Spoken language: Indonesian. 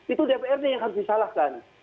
itu dprd yang harus disalahkan